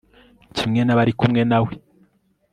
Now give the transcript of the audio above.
kimwe n'abari kumwe na we